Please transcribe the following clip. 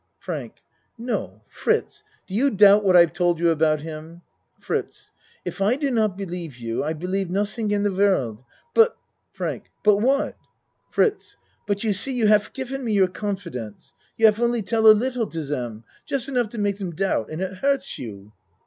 FRANK No ! Fritz, do you doubt what I've told you about him? FRITZ If I do not believe you, I believe nod ding in de world. But FRANK But what? FRITZ But you see you haf gifen me your con fidence. You haf only tell a little to dem just enough to make dem doubt and it hurts you.